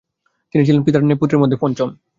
তিনি ছিলেন পিতার নয় পুত্রের মধ্যে পঞ্চম।